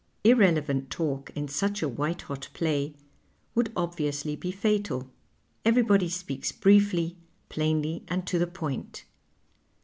Irrelevant talk in such a white hot play would obviously be fatal. Everybody speaks briefly, j)lainly, and to the point.